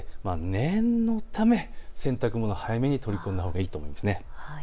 念のため洗濯物、早めに取り込んだほうがいいと思います。